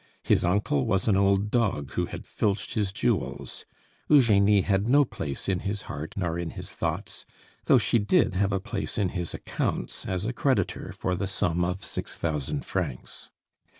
His uncle was an old dog who had filched his jewels; Eugenie had no place in his heart nor in his thoughts, though she did have a place in his accounts as a creditor for the sum of six thousand francs.